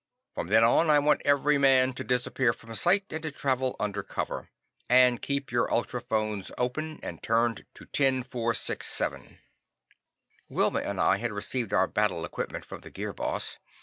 From then on I want every man to disappear from sight and to travel under cover. And keep your ultrophones open, and tuned on ten four seven six." Wilma and I had received our battle equipment from the Gear boss.